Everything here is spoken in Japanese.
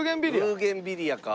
ブーゲンビリアか。